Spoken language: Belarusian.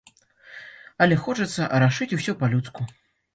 Але хочацца рашыць усё па-людску.